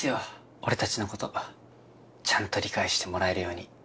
俺たちのことちゃんと理解してもらえるように。